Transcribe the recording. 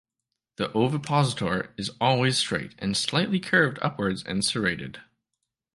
The ovipositor is always straight and slightly curved upwards and serrated.